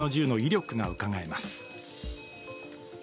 手製の銃の威力がうかがえます。